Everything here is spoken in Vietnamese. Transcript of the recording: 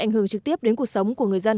ảnh hưởng trực tiếp đến cuộc sống của người dân